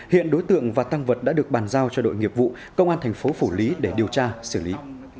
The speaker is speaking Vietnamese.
hiện đối tượng và tăng vật đã được bàn giao cho đội nghiệp vụ công an thành phố phủ lý để điều tra xử lý